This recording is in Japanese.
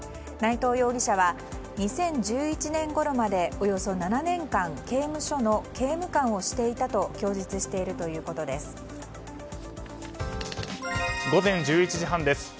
内藤容疑者は２０１１年ごろまでおよそ７年間刑務所の刑務官をしていたと供述しているということです。